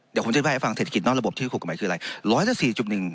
เดี๋ยวผมจะแวะให้ฟังเศรษฐกิจนอกระบบที่ถูกกฎหมายคืออะไร